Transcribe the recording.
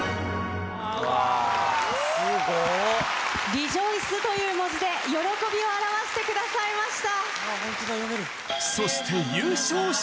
「ＲＥＪＯＹＣＥ」という文字で喜びを表してくださいました。